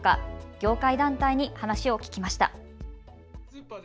業界団体に話を聞きました。